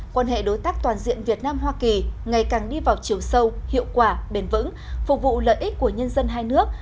quan hệ đối tác toàn diện việt nam hoa kỳ ngày càng đi vào chiều sâu hiệu quả bền vững phục vụ lợi ích của nhân dân hai nước